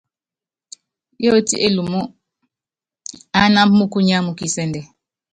Yóoti Elumú ánámb múkunyá mú kisɛ́ndɛ.